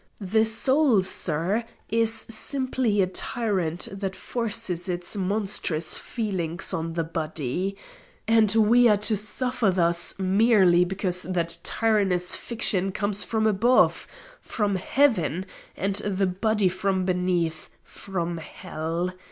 The soul, sir, is simply a tyrant that forces its monstrous feelings on the body. And we are to suffer thus merely because that tyrannous fiction comes from above from Heaven, and the body from beneath from Hell!